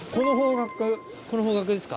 この方角ですか。